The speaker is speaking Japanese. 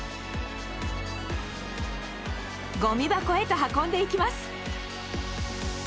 ゴミ箱へと運んでいきます。